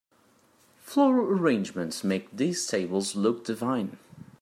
Floral arrangements make these tables look divine.